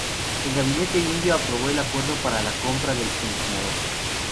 El gabinete indio aprobó el acuerdo para la compra del entrenador.